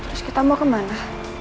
terus kita mau kemana